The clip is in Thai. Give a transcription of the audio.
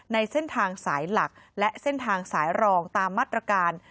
ในเส้นทางสายหลักและเส้นทางสายรองตามมาตรการ